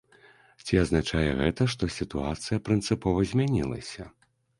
Ці азначае гэта, што сітуацыя прынцыпова змянілася?